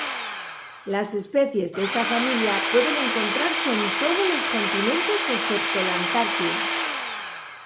Las especies de esta familia pueden encontrarse en todos los continentes excepto la Antártida.